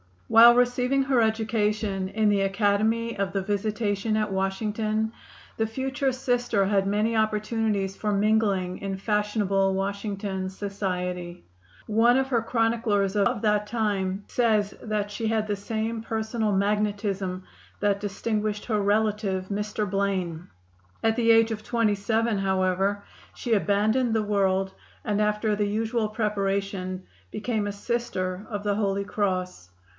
While receiving her education in the Academy of the Visitation at Washington the future Sister had many opportunities for mingling in fashionable Washington society. One of her chroniclers of that time says that she had the same personal magnetism that distinguished her relative, Mr. Blaine. At the age of twenty seven, however, she abandoned the world, and after the usual preparation became a Sister of the Holy Cross.